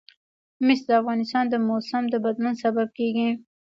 مس د افغانستان د موسم د بدلون سبب کېږي.